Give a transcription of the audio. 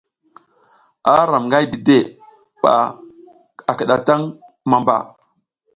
Ara ram nga dide ɓa a kiɗataŋ mamba.